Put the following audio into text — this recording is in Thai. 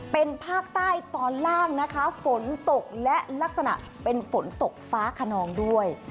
เป็นภาคใต้ตอนล่างนะคะฝนตกและลักษณะเป็นฝนตกฟ้าขนองด้วย